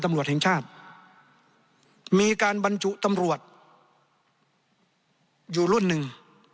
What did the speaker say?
ตำรวจแห่งชาติมีการบรรจุตำรวจอยู่รุ่นหนึ่ง